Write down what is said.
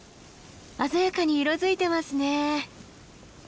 鮮やかに色づいてますね。